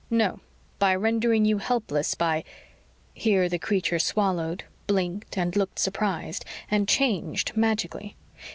"No. By rendering you helpless by " Here the creature swallowed, blinked and looked surprised and changed magically.